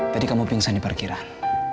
tadi kamu pingsan di parkiran